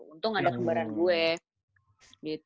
untung ada kembaran gue